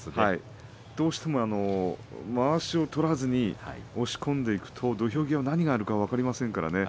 どうしてもまわしを取らずに押し込んでいくと土俵際何があるか分かりませんからね。